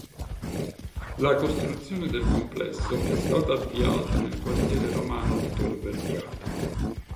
La costruzione del complesso è stata avviata nel quartiere romano di Tor Vergata.